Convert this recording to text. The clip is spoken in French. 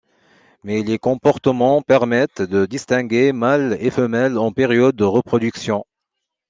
Mais les comportements permettent de distinguer mâles et femelles en période de reproduction.